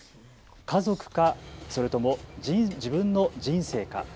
家族か、それとも自分の人生か。